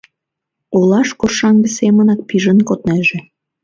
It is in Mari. Олаш коршаҥге семынак пижын коднеже.